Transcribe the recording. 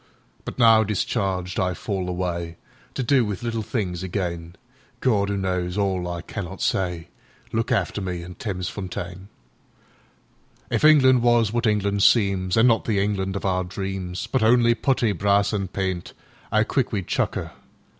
But now, discharged, I fall awayTo do with little things again.…Gawd, 'oo knows all I cannot say, Look after me in Thamesfontein! If England was what England seemsAn' not the England of our dreams, But only putty, brass, an' paint,'Ow quick we'd chuck 'er!